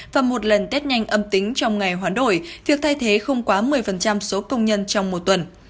và một lần tết nhanh âm tính trong ngày hoán đổi việc thay thế không quá một mươi số công nhân trong một tuần